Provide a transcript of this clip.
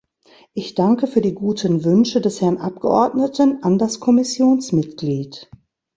Ich danke für die guten Wünsche des Herrn Abgeordneten an das Kommissionsmitglied.